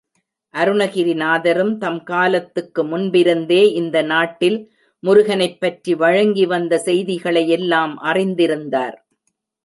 அருணகிரிநாதரும் தம் காலத்துக்கு முன்பிருந்தே இந்த நாட்டில் முருகனைப் பற்றி வழங்கி வந்த செய்திகளை எல்லாம் அறிந்திருந்தார்.